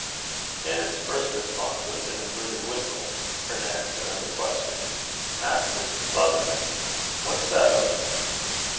Janet's first response was an inverted whistle; her next, another question: "Maister Sutherlan'! wha's that o't?"